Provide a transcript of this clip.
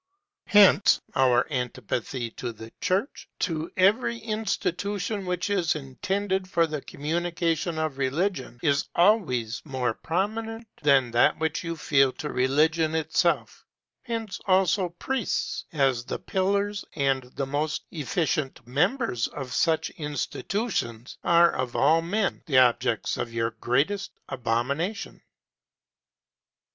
Hence your antipathy to the church, to every institution which is intended for the communication of religion, is always more prominent than that which you feel to religion itself; hence, also, priests, as the pillars and the most efficient members of such institutions, are, of all men, the objects of your greatest abomination.